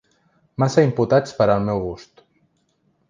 Massa imputats per al meu gust.